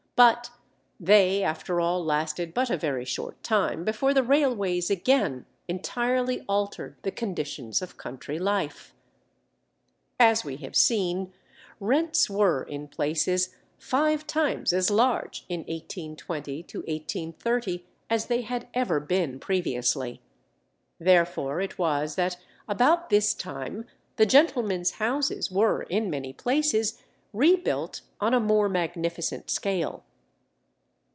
But they after all lasted but a very short time before the railways again entirely altered the conditions of country life. As we have seen, rents were in places, five times as large in 1820 1830 as they had ever been previously. Therefore it was that about this time the gentlemen's houses were in many places rebuilt on a more magnificent scale.